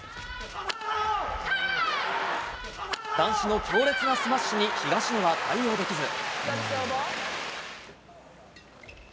男子の強烈なスマッシュに東野は対応できず。